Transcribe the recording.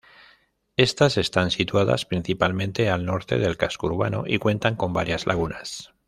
Estas están situadas principalmente al norte del casco urbano y cuentan con varias lagunas.